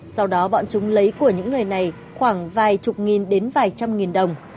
sau đó bọn chúng lấy của những người này khoảng vài chục nghìn đến vài trăm nghìn đồng